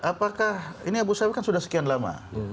apakah ini abu saywi kan sudah sekian lama